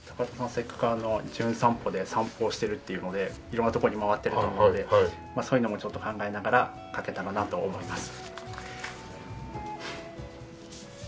せっかく『じゅん散歩』で散歩をしてるっていうので色んな所に回ってると思うのでそういうのもちょっと考えながら書けたらなと思います。